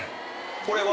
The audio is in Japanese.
これは？